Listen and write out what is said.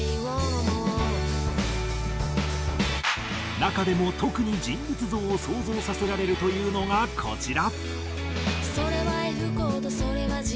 中でも特に人物像を想像させられるというのがこちら。